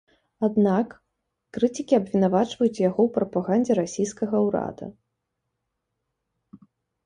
Аднак крытыкі абвінавачваюць яго ў прапагандзе расійскага ўрада.